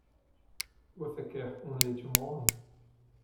Você quer um leite morno?